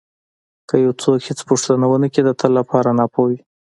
که یو څوک هېڅ پوښتنه ونه کړي د تل لپاره ناپوه وي.